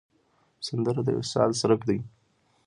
سندره د وصال څرک دی